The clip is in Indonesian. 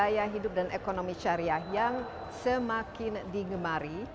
gaya hidup dan ekonomi syariah yang semakin digemari